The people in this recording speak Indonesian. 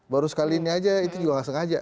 baru sekali ini aja itu juga nggak sengaja